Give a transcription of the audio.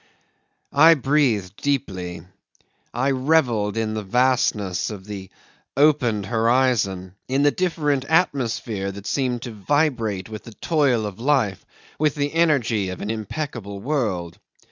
'I breathed deeply, I revelled in the vastness of the opened horizon, in the different atmosphere that seemed to vibrate with the toil of life, with the energy of an impeccable world.